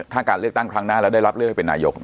ถ้าการเลือกตั้งครั้งหน้าแล้วได้รับเลือกให้เป็นนายก